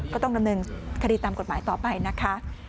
ก็ต้องดำเนินคดีตามกฎหมายต่อไปนะคะ